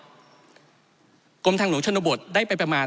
ที่เราจะต้องลดความเหลื่อมล้ำโดยการแก้ปัญหาเชิงโครงสร้างของงบประมาณ